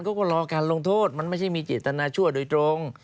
เขาก็รอการลงโทษมันไม่ใช่มีเจตนาชั่วโดยตรง